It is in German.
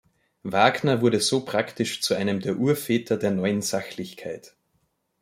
Wagner wurde so praktisch zu einem der Urväter der Neuen Sachlichkeit.